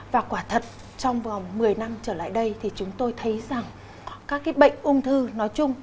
và quả thật trong vòng một mươi năm trở lại đây thì chúng tôi thấy rằng các bệnh ung thư nói chung